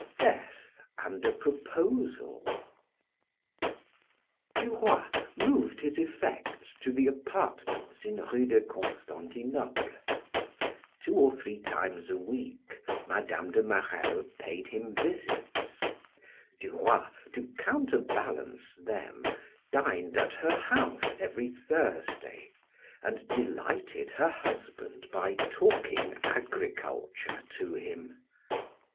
DEATH AND A PROPOSAL Duroy moved his effects to the apartments in Rue de Constantinople. Two or three times a week, Mme. de Marelle paid him visits. Duroy, to counterbalance them, dined at her house every Thursday, and delighted her husband by talking agriculture to him.